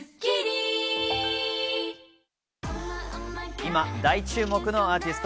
今、大注目のアーティスト。